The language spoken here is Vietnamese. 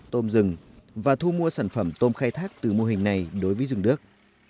tôm rừng và thu mua sản phẩm tôm khai thác từ mô hình này đối với rừng đức